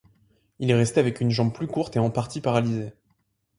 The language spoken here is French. Il est resté avec une jambe plus courte et en partie paralysée.